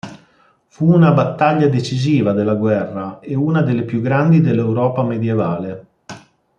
Fu una battaglia decisiva della guerra e una delle più grandi dell'Europa medievale.